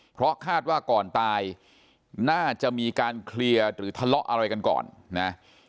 เพราะคาดว่าก่อนตายน่าจะมีการเคลียร์หรือทะเลาะอะไรกันก่อนนะ